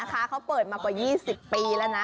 เขาเปิดมากว่า๒๐ปีแล้วนะ